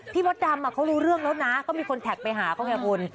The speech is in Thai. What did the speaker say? มดดำเขารู้เรื่องแล้วนะก็มีคนแท็กไปหาเขาไงคุณ